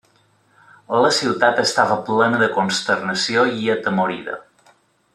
La ciutat estava plena de consternació i atemorida.